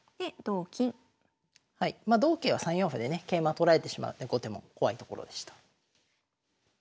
まあ同桂は３四歩でね桂馬取られてしまうので後手も怖いところでした。